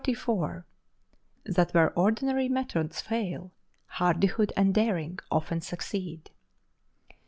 —_That where ordinary methods fail, Hardihood and Daring often succeed.